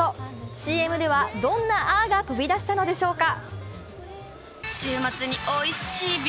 ＣＭではどんなあが飛び出したのでしょうか。